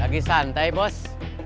lagi santai bos